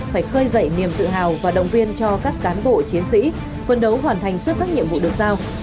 phải khơi dậy niềm tự hào và động viên cho các cán bộ chiến sĩ phân đấu hoàn thành xuất sắc nhiệm vụ được giao